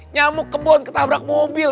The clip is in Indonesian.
nyamuk kebon ketabrak mobil